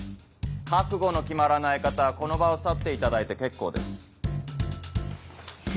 覚悟の決まらない方はこの場を去っていただいて結構です。